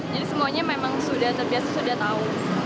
jadi semuanya memang sudah terbiasa sudah tahu